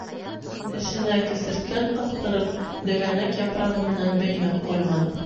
Тешенә кесерткән ҡыҫтырып, дегәнәк япрағы менән бәйләп ҡуйған.